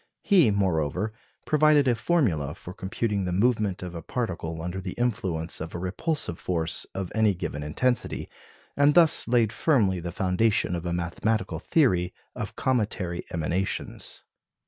He, moreover, provided a formula for computing the movement of a particle under the influence of a repulsive force of any given intensity, and thus laid firmly the foundation of a mathematical theory of cometary emanations.